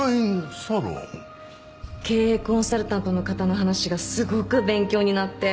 経営コンサルタントの方の話がすごく勉強になって。